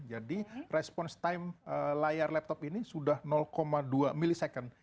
jadi respons time layar laptop ini sudah dua milisekund